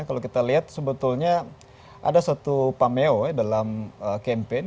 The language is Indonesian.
kalau kita lihat sebetulnya ada satu pameo dalam campaign